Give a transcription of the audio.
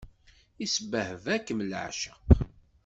Isbehba-kem leɛceq.